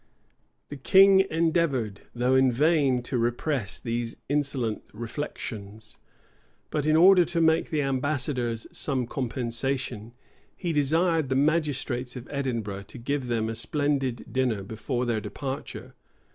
The king endeavored, though in vain, to repress these insolent reflections; but in order to make the ambassadors some compensation, he desired the magistrates of Edinburgh to give them a splendid dinner before their departure.